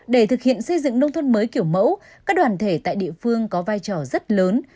để thực hiện xây dựng nông thôn mới kiểu mẫu các đoàn thể tại địa phương có vai trò rất lớn